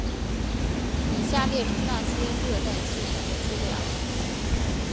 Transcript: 以下列出那些热带气旋的资料。